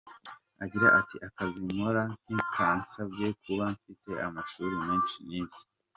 Agira ati “akazi nkora ntikansabye kuba mfite amashuri menshi nize.